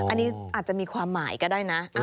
อันนี้อาจจะมีความหมายก็ได้นะ